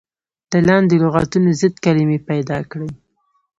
د لاندې لغتونو ضد کلمې پيداکړئ.